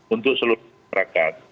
untuk seluruh perangkat